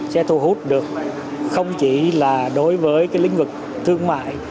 sẽ thu hút được không chỉ là đối với cái lĩnh vực thương mại